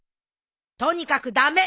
とにかく駄目！